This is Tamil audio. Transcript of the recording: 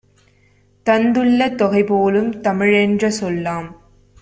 தந்துள்ள தொகைபோலும் தமிழென்ற சொல்லாம்.